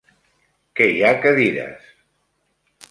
Que hi ha cadires?